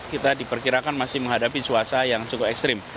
kita diperkirakan masih menghadapi cuaca yang cukup ekstrim